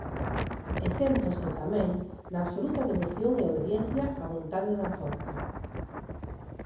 E céntrase tamén na absoluta devoción e obediencia á vontade da Forza.